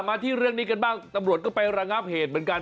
มาที่เรื่องนี้กันบ้างตำรวจก็ไประงับเหตุเหมือนกัน